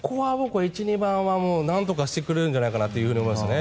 １、２番は何とかしてくれるんじゃないかと思いますね。